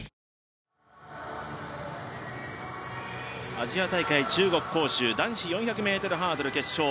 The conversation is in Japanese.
アジア大会中国・杭州男子４００ｍハードル決勝。